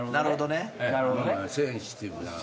センシティブな。